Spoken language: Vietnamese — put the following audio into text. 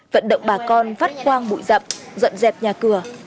vận động bà con phát khoang bụi dập dọn dẹp nhà cửa